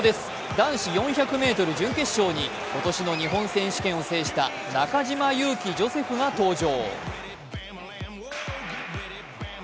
男子４００ｍ準決勝に、今年の日本選手権を制した中島佑気ジョセフが登場。